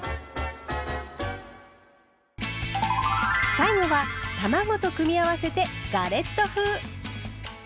最後は卵と組み合わせてガレット風。